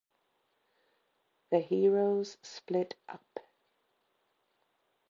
The heroes split up.